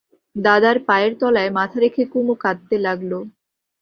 দাদার পায়ের তলায় মাথা রেখে কুমু কাঁদতে লাগল।